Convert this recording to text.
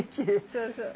そうそう。